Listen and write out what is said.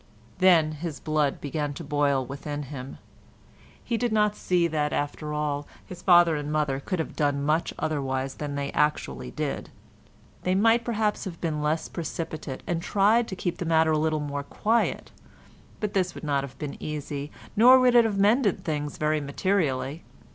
Then his blood began to boil within him. He did not see that after all his father and mother could have done much otherwise than they actually did. They might perhaps have been less precipitate, and tried to keep the matter a little more quiet, but this would not have been easy, nor would it have mended things very materially.